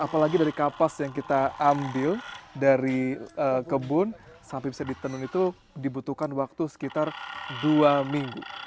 apalagi dari kapas yang kita ambil dari kebun sampai bisa ditenun itu dibutuhkan waktu sekitar dua minggu